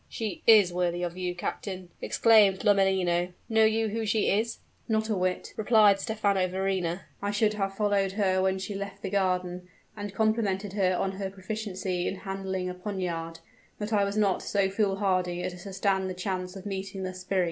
"She is worthy of you, captain!" exclaimed Lomellino. "Know you who she is?" "Not a whit," replied Stephano Verrina. "I should have followed her when she left the garden, and complimented her on her proficiency in handling a poniard, but I was not so foolhardy as to stand the chance of meeting the sbirri.